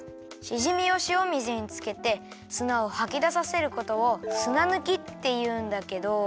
しじみをしお水につけてすなをはきださせることをすなぬきっていうんだけど。